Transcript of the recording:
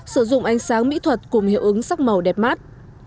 sử dụng ánh sáng mỹ thuật cùng hiệu ứng sắc màu đẹp mắt